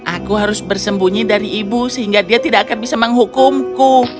aku harus bersembunyi dari ibu sehingga dia tidak akan bisa menghukumku